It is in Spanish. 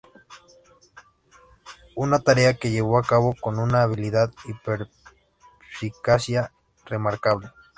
Una tarea que llevó a cabo con una habilidad y perspicacia remarcable.